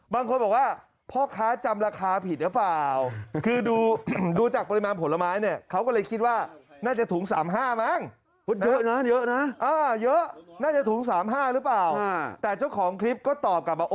บางคนบอกว่าพ่อค้าจำราคาผิดหรือเปล่า